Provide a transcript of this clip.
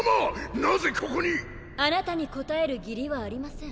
なぜここに⁉あなたに答える義理はありません。